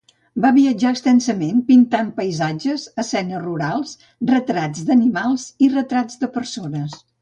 Va viatjar extensament pintant paisatges, escenes rurals, retrats d'animals i retrats de persones.